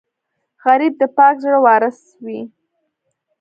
غریب د پاک زړه وارث وي